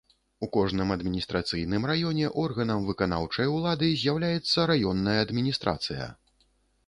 У кожным адміністрацыйным раёне органам выканаўчай улады з'яўляецца раённая адміністрацыя.